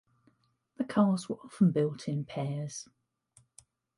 The cars were often built in pairs.